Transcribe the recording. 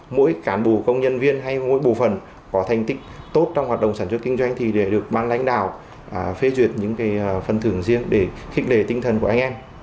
mỗi cán bộ công nhân viên hay mỗi bộ phần có thành tích tốt trong hoạt động sản xuất kinh doanh thì để được mang lãnh đạo phê duyệt những phần thưởng riêng để khích lệ tinh thần của anh em